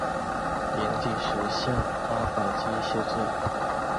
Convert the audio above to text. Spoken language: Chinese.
寅底石向阿保机谢罪。